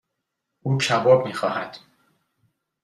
او کباب میخواهد.